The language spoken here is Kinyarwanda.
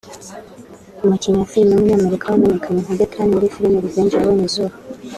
umukinnyi wa filime w’umunyamerika wamenyekanye nka Declan muri filime Revenge yabonye izuba